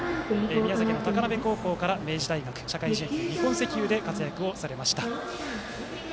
宮崎の高鍋高校から明治大学社会人野球の日本石油で活躍されました。